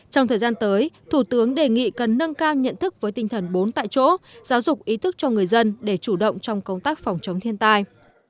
trong thời gian tới thủ tướng đề nghị cần nâng cao nhận thức với tinh thần bốn tại chỗ giáo dục ý thức cho người dân để chủ động trong công tác phòng chống thiên tai